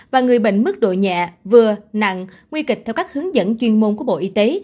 và người bệnh mức độ nhẹ vừa nặng nguy kịch theo các hướng dẫn chuyên môn của bộ y tế